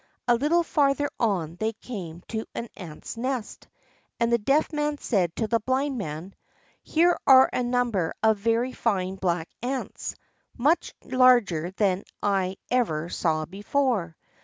A little farther on they came to an ant's nest, and the Deaf Man said to the Blind Man: "Here are a number of very fine black ants, much larger than any I ever saw before.